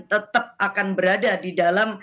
tetap akan berada di dalam